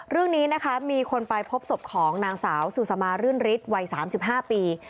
เรื่องนี้นะคะมีคนไปพบศพของนางสาวสุสมารื่นฤทธิ์วัย๓๕ปี